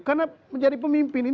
karena menjadi pemimpin ini